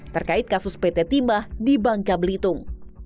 terkait kasus pt timah di bangka belitung